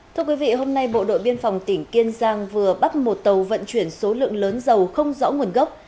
thưa quý vị hôm nay bộ đội biên phòng tỉnh kiên giang vừa bắt một tàu vận chuyển số lượng lớn dầu không rõ nguồn gốc